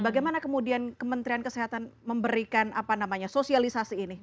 bagaimana kemudian kementerian kesehatan memberikan sosialisasi ini